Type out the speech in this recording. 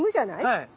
はい。